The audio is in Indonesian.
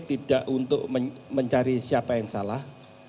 tidak untuk mencari siapa yang salah